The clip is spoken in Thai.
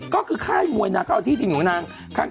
ก็คือค่ายมวยนางก็เอาที่ดินของนาง